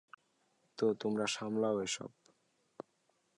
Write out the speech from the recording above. তো তোমরা সামলাও এসব।